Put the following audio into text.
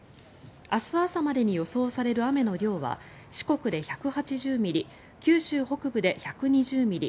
明日朝までに予想される雨の量は四国で１８０ミリ九州北部で１２０ミリ